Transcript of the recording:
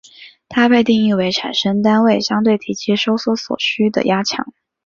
它被定义为产生单位相对体积收缩所需的压强。